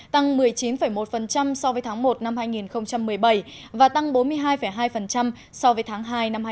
tăng một mươi chín một so với tháng một năm hai nghìn một mươi bảy và tăng bốn mươi hai hai so với tháng hai